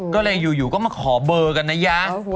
ก็เลยอยู่ก็มาขอเบอร์กันนะยะ